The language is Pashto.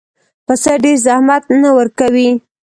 پسه ډېر زحمت نه ورکوي.